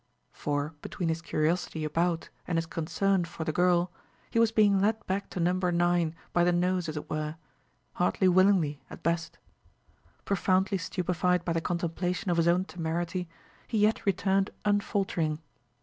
For, between his curiosity about and his concern for the girl, he was being led back to Number 9, by the nose, as it were, hardly willingly, at best. Profoundly stupefied by the contemplation of his own temerity, he yet returned unfaltering.